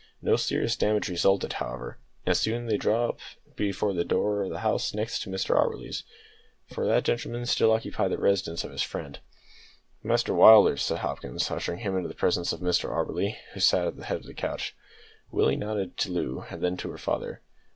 No serious damage resulted, however, and soon after they drew up at the door of the house next Mr Auberly's; for that gentleman still occupied the residence of his friend. "Master Willders," said Hopkins, ushering him into the presence of Mr Auberly, who still sat at the head of the couch. Willie nodded to Loo and then to her father.